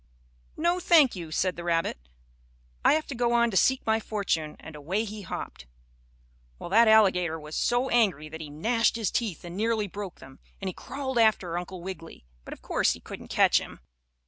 "No, thank you," said the rabbit. "I have to go on to seek my fortune," and away he hopped. Well, that alligator was so angry that he gnashed his teeth and nearly broke them, and he crawled after Uncle Wiggily, but of course, he couldn't catch him.